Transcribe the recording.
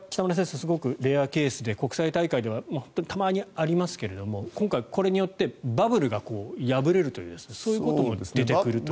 すごくレアケースで国際大会ではありますが今回はこれによってバブルが破れるということも出てくると。